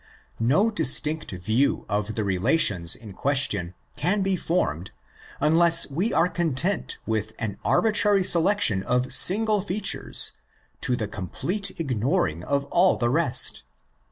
No distinct view of the relations in question can be formed unless we are content with an arbitrary selec tion of single features to the complete ignoring of all the rest.